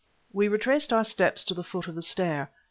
We retraced our steps to the foot of the stair.